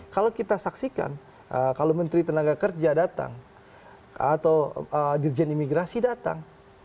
kalau kita saksikan kalau menteri tenaga kerja datang atau dirjen imigrasi datang